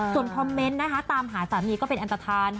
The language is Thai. ส่วนคอมเมนต์นะคะตามหาสามีก็เป็นอันตฐาน